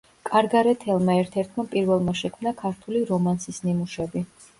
კარგარეთელმა ერთ-ერთმა პირველმა შექმნა ქართული რომანსის ნიმუშები.